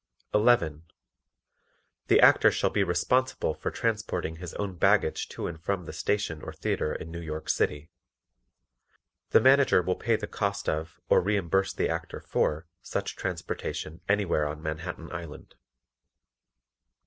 11. The Actor shall be responsible for transporting his own baggage to and from the station or theatre in New York City. The Manager will pay the cost of or reimburse the Actor for such transportation anywhere on Manhattan Island.